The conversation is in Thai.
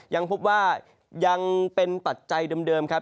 ยังพบว่ายังเป็นปัจจัยเดิมครับ